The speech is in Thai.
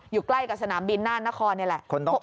อยู่ใกล้กับสนามบินน่านนครนี่แหละ